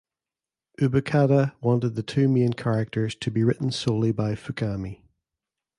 Ubukata wanted the two main characters to be written solely by Fukami.